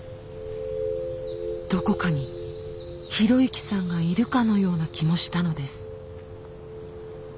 どこかに啓之さんがいるかのような気もしたのです。